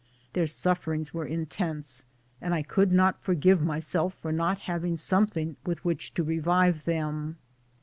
Their sufferings were intense, and I could not forgive myself for not having something with which to revive them.